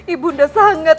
ibu anda sangat